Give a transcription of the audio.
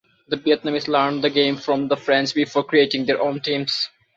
The Vietnamese learned the game from the French before creating their own teams.